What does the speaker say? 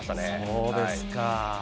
そうですか。